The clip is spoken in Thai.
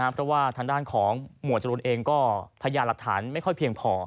เพราะว่าทางด้านของหมวดจรูนเองก็พยานหลักฐานไม่ค่อยเพียงพอ